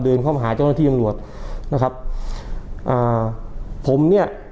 เข้ามาหาเจ้าหน้าที่ตำรวจนะครับอ่าผมเนี้ย